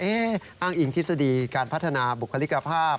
อ้างอิงทฤษฎีการพัฒนาบุคลิกภาพ